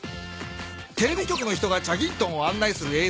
テレビ局の人がチャギントンをあんないするえい